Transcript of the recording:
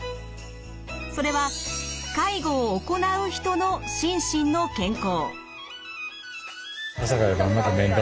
それは介護を行う人の心身の健康。